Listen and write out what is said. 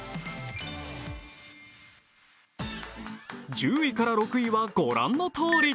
１０位から６位はご覧のとおり。